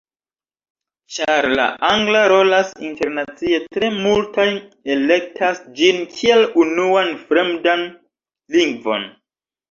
Ĉar la angla rolas internacie, tre multaj elektas ĝin kiel unuan fremdan lingvon.